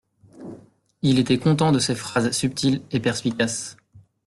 Il était content de ses phrases subtiles et perspicaces.